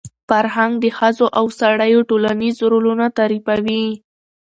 فرهنګ د ښځو او سړیو ټولنیز رولونه تعریفوي.